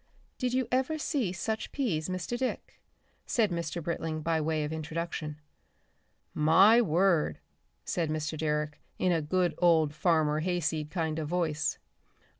"Did you ever see such peas, Mr. Dick?" said Mr. Britling by way of introduction. "My word," said Mr. Direck in a good old Farmer Hayseed kind of voice.